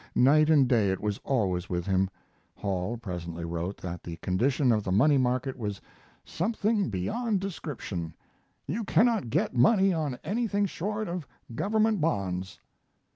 Night and day it was always with him. Hall presently wrote that the condition of the money market was "something beyond description. You cannot get money on anything short of government bonds."